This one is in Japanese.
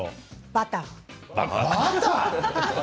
バター。